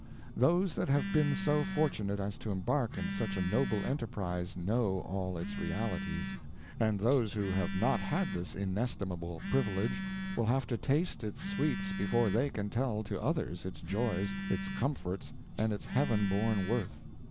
Those that have been so fortunate as to embark in such a noble enterprise know all its realities; and those who have not had this inestimable privilege will have to taste its sweets before they can tell to others its joys, its comforts, and its Heaven born worth.